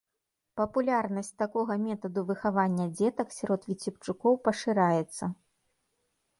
Папулярнасць такога метаду выхавання дзетак сярод віцебчукоў пашыраецца.